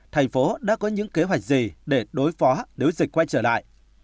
thành phố đã có những kế hoạch gì để đối phó nếu dịch quay trở lại